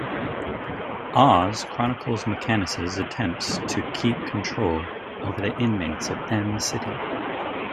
"Oz" chronicles McManus' attempts to keep control over the inmates of Em City.